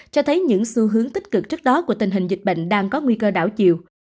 cho thấy những xu hướng tích cực trước đó của tình hình dịch bệnh đang có nguy cơ đảo chiều